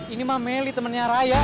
ini mah meli temennya raya